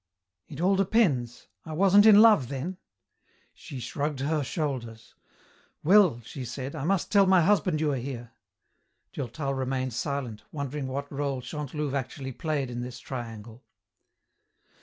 "It all depends. I wasn't in love then." She shrugged her shoulders. "Well," she said, "I must tell my husband you are here." Durtal remained silent, wondering what rôle Chantelouve actually played in this triangle.